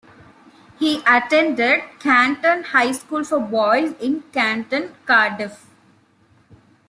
He attended Canton High School for Boys in Canton, Cardiff.